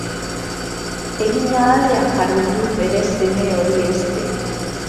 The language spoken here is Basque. Eginahalean jardun du bere seme hori hezten.